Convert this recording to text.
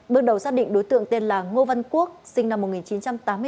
bước đầu xác định đối tượng tên là ngô văn quốc sinh năm một nghìn chín trăm tám mươi bốn